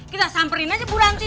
kita samperin aja bu nanti